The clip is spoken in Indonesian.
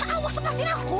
awas lepasin aku